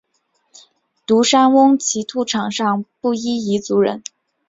独山翁奇兔场上街布依族人。